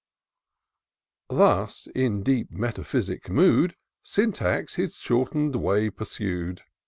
Thus, in deep metaphysic mood. Syntax his shorten'd way pursued.